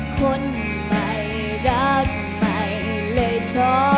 คนใหม่รักใหม่เลยท้อ